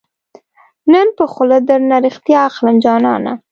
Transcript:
نن به خوله درنه ريښتیا اخلم جانانه